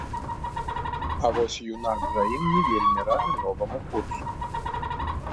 А вось юнак за ім не вельмі рады новаму курсу.